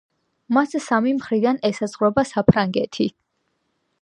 მას სამი მხრიდან ესაზღვრება საფრანგეთი.